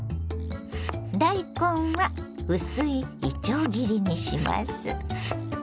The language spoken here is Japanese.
大根は薄いいちょう切りにします。